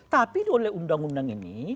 tapi oleh undang undang ini